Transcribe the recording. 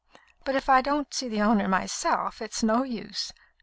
But if I can't see the owner myself, it's no use.